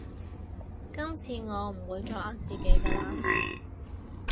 今次我唔會再呃自己㗎喇